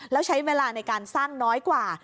แล้วใช้เวลาในการสร้างน้อยกว่า